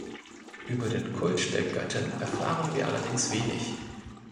Über den Kult der Göttin erfahren wir allerdings wenig.